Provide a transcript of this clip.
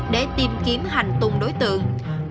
để tìm kiếm hành tung đối tượng